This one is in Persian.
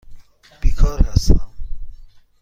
بیکار هستم.